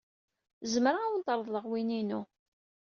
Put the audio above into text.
Zemreɣ ad awent-reḍleɣ win-inu.